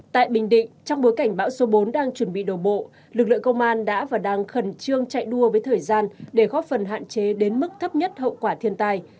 tại bình định trong bối cảnh bão số bốn đang chuẩn bị đổ bộ lực lượng công an đã và đang khẩn trương chạy đua với thời gian để góp phần hạn chế đến mức thấp nhất hậu quả thiên tai